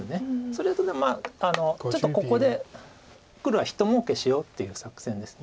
それでちょっとここで黒はひともうけしようっていう作戦です。